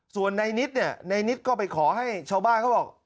ส่วนนายนิศก็ไปขอให้ชาวบ้านเขาบอก